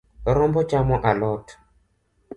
Rombo chamo a lot